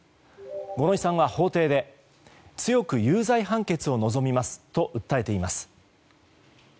五ノ井さんは法廷で強く有罪判決を望みますと訴えています。